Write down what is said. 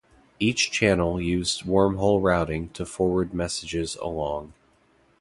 Each channel used wormhole routing to forward messages along.